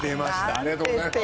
ありがとうございます。